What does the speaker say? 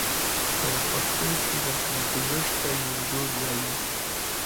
په پښتو کې رسمګذشت ته يوندود وايي.